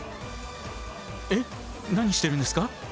えっ何してるんですか？